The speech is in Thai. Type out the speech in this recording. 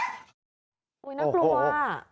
โอ้โฮน่ากลัว